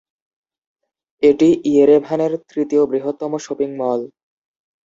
এটি ইয়েরেভানের তৃতীয় বৃহত্তম শপিং মল।